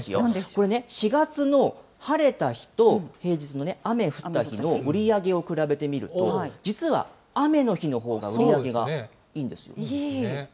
これね、４月の晴れた日と平日に雨が降った日の売り上げを比べてみると、実は雨の日のほうが売り上げがいいんですよ。